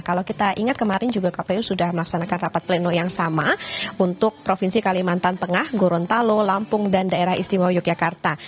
kalau kita ingat kemarin juga kpu sudah melaksanakan rapat pleno yang sama untuk provinsi kalimantan tengah gorontalo lampung dan daerah istimewa yogyakarta